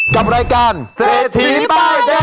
กับรายการเศรษฐีไปเด็ด